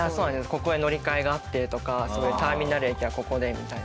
ここで乗り換えがあってとかターミナル駅はここでみたいな。